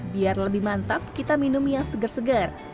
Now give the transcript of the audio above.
biar lebih mantap kita minum yang seger seger